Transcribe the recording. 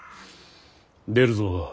出るぞ。